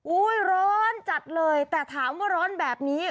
ร้อนจัดเลยแต่ถามว่าร้อนแบบนี้